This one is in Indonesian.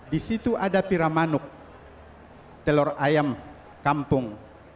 di situ ada piramanuk telur ayam kampung